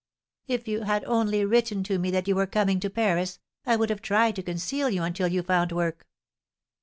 "If you had only written to me that you were coming to Paris, I would have tried to conceal you until you found work."